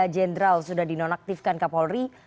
jenderal sudah dinonaktifkan kapolri